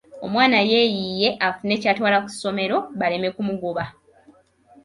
Omwana yeeyiiye afune ky'atwala ku ssomero baleme kumugoba.